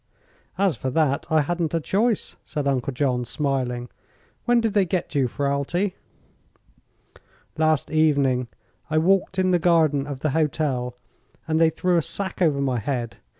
"As for that, I hadn't a choice," said Uncle John, smiling. "When did they get you, Ferralti?" "Last evening. I walked in the garden of the hotel and they threw a sack over my head.